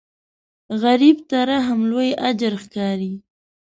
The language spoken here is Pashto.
غریب ته رحم لوی اجر ښکاري